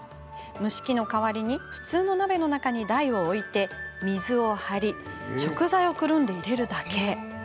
蒸し器の代わりに普通の鍋の中に台を置いて水を張り食材をくるんで入れるだけ。